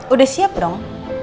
udah siap dong